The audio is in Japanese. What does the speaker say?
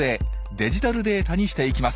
デジタルデータにしていきます。